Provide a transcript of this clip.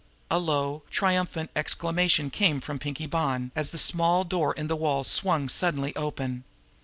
A low, triumphant exclamation came from Pinkie Bonn, as the small door in the wall swung suddenly open.